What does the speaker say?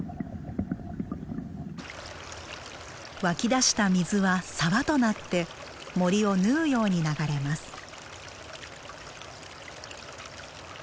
湧き出した水は沢となって森を縫うように流れます。